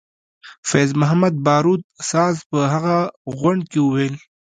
فیض محمدباروت ساز په هغه غونډه کې وویل.